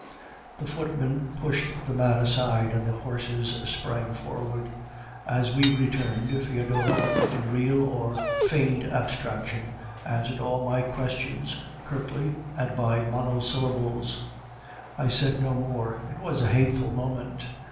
The footman pushed the man aside, and the horses sprang forward. As we returned, Foedora, in real or feigned abstraction, answered all my questions curtly and by monosyllables. I said no more; it was a hateful moment.